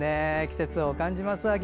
季節を感じます。